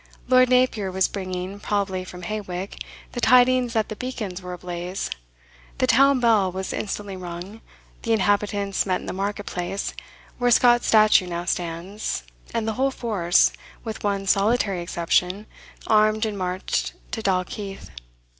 Lord Napier was bringing, probably from Hawick, the tidings that the beacons were ablaze. The town bell was instantly rung, the inhabitants met in the marketplace, where Scott's statue now stands, and the whole force, with one solitary exception, armed and marched to Dalkeith.